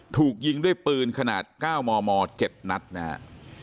ถูกยิงด้วยปืนขนาด๙มม๗นัดนะครับ